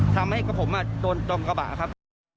ทำให้ผมโดนตรงกระบะครับ